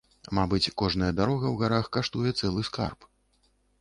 Мабыць, кожная дарога ў гарах каштуе цэлы скарб.